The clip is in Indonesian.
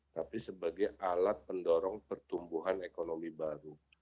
tapi sebagai alat pendorong pertumbuhan ekonomi baru